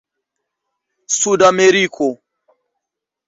sudameriko